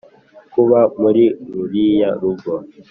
Kuba muri ruriya rugo